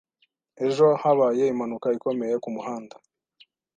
Ejo, habaye impanuka ikomeye kumuhanda.